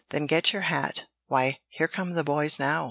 "Then get your hat why, here come the boys now!